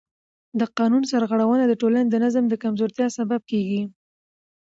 د قانون سرغړونه د ټولنې د نظم د کمزورتیا سبب کېږي